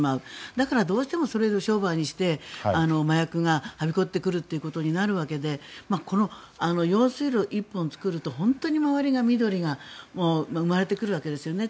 だからどうしてもそれを商売にして麻薬がはびこってくるということになるわけでこの用水路を１本作ると本当に周りに緑が生まれてくるわけですよね。